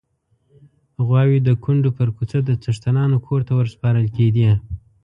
غواوې د کونډو پر کوڅه د څښتنانو کور ته ورسپارل کېدې.